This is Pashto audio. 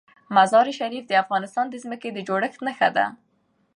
مزارشریف د افغانستان د ځمکې د جوړښت نښه ده.